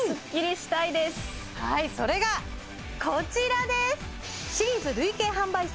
はいそれがこちらです